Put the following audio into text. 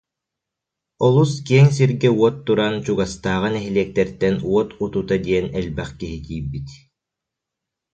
Олус киэҥ сиргэ уот туран, чугастааҕы нэһилиэктэртэн уот утута диэн элбэх киһи тиийбит